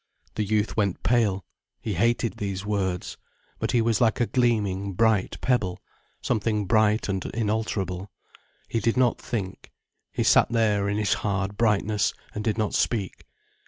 The youth went pale. He hated these words. But he was like a gleaming, bright pebble, something bright and inalterable. He did not think. He sat there in his hard brightness, and did not speak.